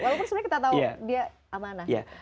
walaupun sebenarnya kita tahu dia amanah